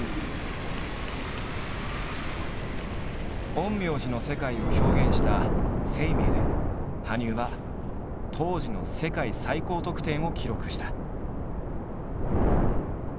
陰陽師の世界を表現した「ＳＥＩＭＥＩ」で羽生は当時の世界最高得点を記録した。